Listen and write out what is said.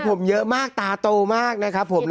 ผมเยอะมากตาโตมากนะครับผม